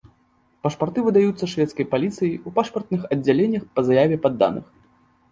Пашпарты выдаюцца шведскай паліцыяй у пашпартных аддзяленнях па заяве падданых.